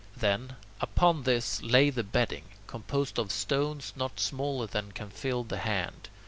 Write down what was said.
Then, upon this lay the bedding, composed of stones not smaller than can fill the hand.